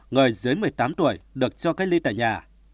người dưới một mươi tám tuổi được cho cách ly tại nhà